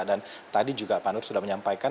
dan tadi juga pak nur sudah menyampaikan